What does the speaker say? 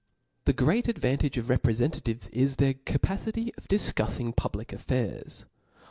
The great advantage of rtprefentatives is their capacity of difcuffing public affairs.